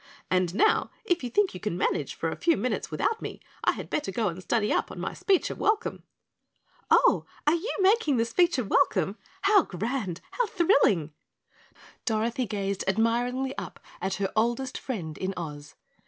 "And now, if you think you can manage for a few minutes without me, I had better go and study up on my speech of welcome." "Oh are YOU making the speech of welcome? How grand! How thrilling!" Dorothy gazed admiringly up at her oldest friend in Oz.